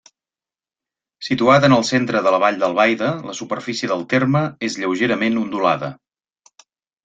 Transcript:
Situat en el centre del vall d'Albaida, la superfície del terme és lleugerament ondulada.